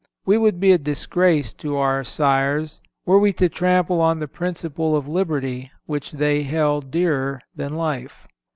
We would be a disgrace to our sires were we to trample on the principle of liberty which they held dearer than life.